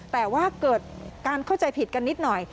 แต่ว่าเกิดการเข้าใจผิดกันนิดหน่อย